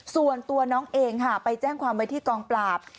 ส่วนตัวน้องเองค่ะไปแจ้งความไว้ที่กองปราบ